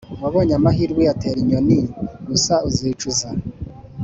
wabonye amahirwe uyatera inyoni gusa uzicuza”